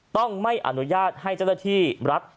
ต้องไม่อนุญาตให้เจ้าหน้าที่รัฐ